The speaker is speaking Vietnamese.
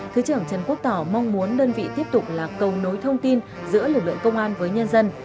thứ trưởng trần quốc tỏ mong muốn đơn vị tiếp tục là cầu nối thông tin giữa lực lượng công an với nhân dân